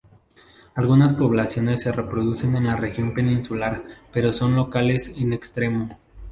Algunas poblaciones se reproducen en la región peninsular pero son locales en extremo.